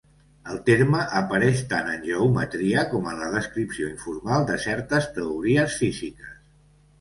El terme apareix tant en geometria, com en la descripció informal de certes teories físiques.